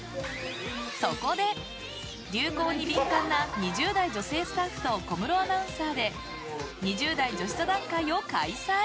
そこで、流行に敏感な２０代女性スタッフと小室アナウンサーで２０代女子座談会を開催！